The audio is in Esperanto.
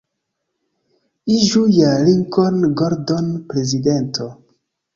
Iĝu ja Lincoln Gordon prezidento!